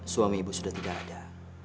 suami ibu sudah tidak ada